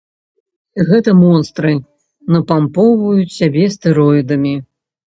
Гэта монстры, напампоўваць сябе стэроідамі.